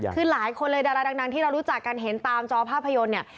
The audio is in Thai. คือหลายคนเลยดาราดังที่เรารู้จักกันเห็นตามจอภาพยนตร์เนี่ย